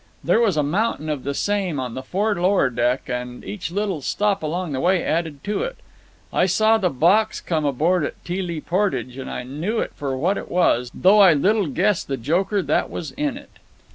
There was a mountain of the same on the fore lower deck, and each little stop along the way added to it. I saw the box come aboard at Teelee Portage, and I knew it for what it was, though I little guessed the joker that was in it.